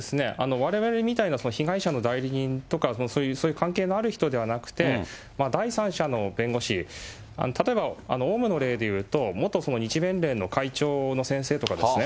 われわれみたいな被害者の代理人とか、そういう関係のある人ではなくて、第三者の弁護士、例えば、オウムの例でいうと、元日弁連の会長の先生とかですね、